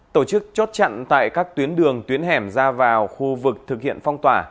tổ chức chốt chặn tại các tuyến đường tuyến hẻm ra vào khu vực thực hiện phong tỏa